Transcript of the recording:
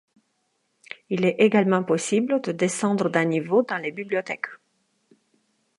Il est également possible de descendre d'un niveau dans les bibliothèques.